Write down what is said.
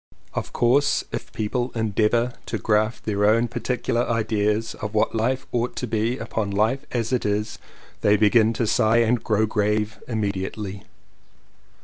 Of course if people endeavour to graft their own particular ideas of what life ought to be upon life as it is, they begin to sigh and grow grave immediately.